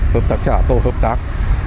hợp tác trả tổ hợp tác